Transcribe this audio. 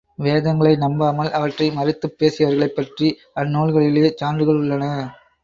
வேதங்களை நம்பாமல், அவற்றை மறுத்துப் பேசியவர்களைப் பற்றி அந்நூல்களிலேயே சான்றுகள் உள்ளன.